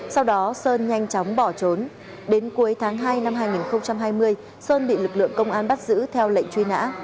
sau đó sơn nhanh chóng bỏ trốn đến cuối tháng hai năm hai nghìn hai mươi sơn bị lực lượng công an bắt giữ theo lệnh truy nã